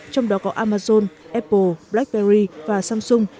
trong đó có amazon apple blackberry và samsung